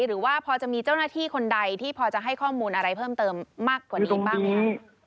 หรือว่าพอจะมีเจ้าหน้าที่คนใดที่พอจะให้ข้อมูลอะไรเพิ่มเติมมากกว่านี้บ้างไหมคะ